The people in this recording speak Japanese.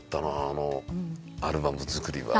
あのアルバム作りは。